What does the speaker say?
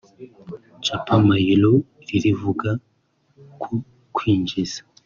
Cleopa Mailu rivuga ko kwinjiza